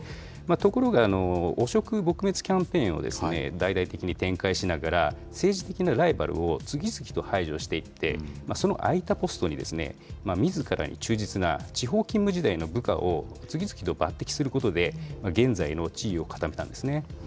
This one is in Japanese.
ところが、汚職撲滅キャンペーンを大々的に展開しながら、政治的なライバルを次々と排除していって、その空いたポストにみずからに忠実な地方勤務時代の部下を次々と抜てきすることで、現在の地位を固めたんですね。